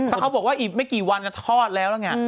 แล้วเขาบอกว่าอีกไม่กี่วันก็ทอดแล้วแล้วไง